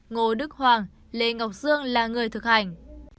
ngô đức hoàng lê ngọc dương là người thực hành